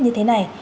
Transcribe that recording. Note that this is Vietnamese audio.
như thế này